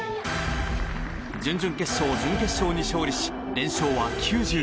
準々決勝、準決勝に勝利し連勝は９９。